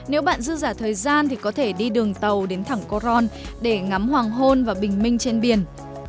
nếu bạn dư giả thời gian thì có thể đi đường tàu đến thẳng coron để ngắm hoàng hôn và bình minh trên biển